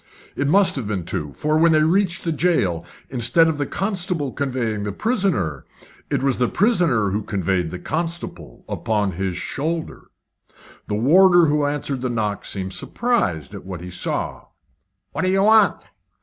It must have been two, for when they reached the jail, instead of the constable conveying the prisoner, it was the prisoner who conveyed the constable upon his shoulder. The warder who answered the knock seemed surprised at what he saw. "What do you want?"